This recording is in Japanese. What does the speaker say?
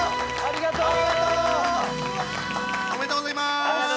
ありがとうございます。